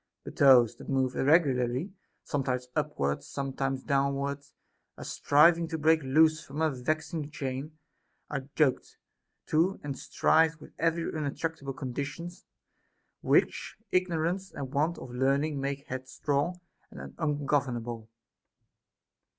But those that move irregularly, sometimes upwards, some times downwards, as striving to break loose from a vexing chain, are yoked to and strive with very untractable condi tions, which ignorance and want of learning make head SOCRATES'S DAEMON. 411 strong and ungovernable.